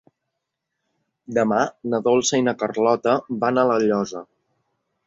Demà na Dolça i na Carlota van a La Llosa.